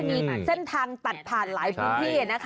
มีเส้นทางตัดผ่านหลายพื้นที่นะคะ